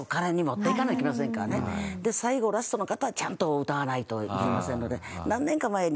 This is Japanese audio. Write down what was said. で最後ラストの方はちゃんと歌わないといけませんので。